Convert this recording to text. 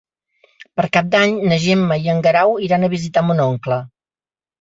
Per Cap d'Any na Gemma i en Guerau iran a visitar mon oncle.